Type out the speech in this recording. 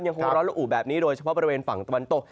คงร้อนละอุแบบนี้โดยเฉพาะบริเวณฝั่งตะวันตก